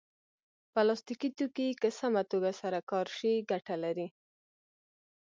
پلاستيکي توکي که سمه توګه سره کار شي ګټه لري.